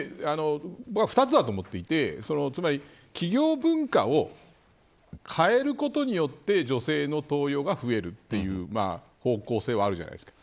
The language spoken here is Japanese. ２つだと思っていてつまり企業文化を変えることによって女性の登用が増えるという方向性はあるじゃないですか。